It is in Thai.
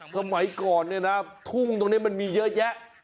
สมัยก่อนเนี่ยนะทุ่งตรงนี้มันมีเยอะแยะ